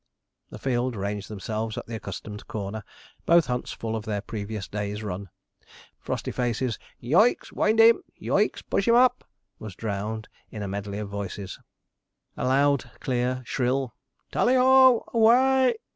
The field ranged themselves at the accustomed corner, both hunts full of their previous day's run. Frostyface's 'Yoicks, wind him!' 'Yoicks, push him up!' was drowned in a medley of voices. A loud, clear, shrill 'TALLY HO, AWAY!'